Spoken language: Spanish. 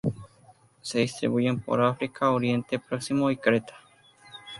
Se distribuyen por África, Oriente Próximo y Creta.